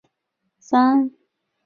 竟陵八友之一。